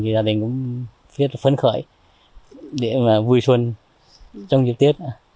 gia đình cũng phết phấn khởi để vui xuân trong dịp tiết